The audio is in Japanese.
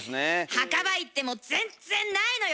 墓場行っても全然ないのよ